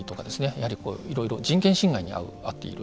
やはり、いろいろ人権侵害に遭う遭っている。